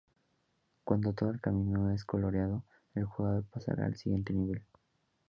Cuando todo el camino es coloreado, el jugador pasará al siguiente nivel.